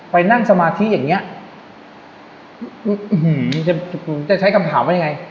ไปนั่งสมาธิอย่างเงี้ยอืมจะใช้คำถามว่ายังไง